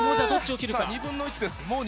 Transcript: ２分の１です。